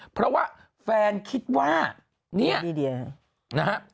เพราะว่าแฟนคิดว่านี้เฮะ